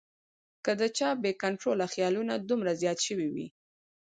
کۀ د چا بې کنټروله خیالونه دومره زيات شوي وي